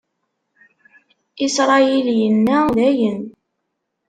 Isṛayil inna: Dayen!